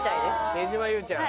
手島優ちゃん。